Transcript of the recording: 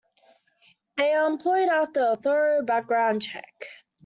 They are employed after a thorough background check.